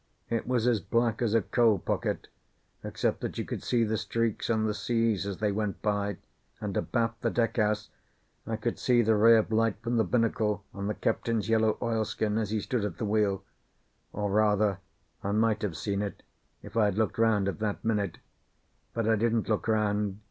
It was as black as a coal pocket, except that you could see the streaks on the seas as they went by, and abaft the deck house I could see the ray of light from the binnacle on the captain's yellow oilskin as he stood at the wheel or, rather, I might have seen it if I had looked round at that minute. But I didn't look round.